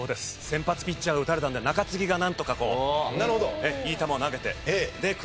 先発ピッチャーが打たれたので中継ぎがなんとかこういい球を投げて。